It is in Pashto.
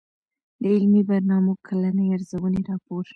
د علمي برنامو کلنۍ ارزوني راپور